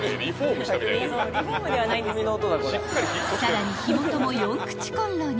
［さらに火元も４口こんろに］